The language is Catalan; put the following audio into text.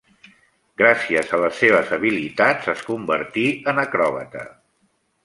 Gràcies a les seves habilitats, es convertí en acròbata.